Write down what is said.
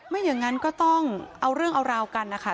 ไม่อย่างนั้นก็ต้องเอาเรื่องเอาราวกันนะคะ